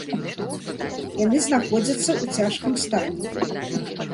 Яны знаходзяцца ў цяжкім стане.